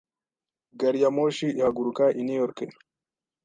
Gari ya moshi ihaguruka i New York?